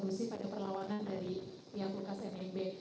sedang tidak kondusif pada perlawanan dari pihak lukas kenimbe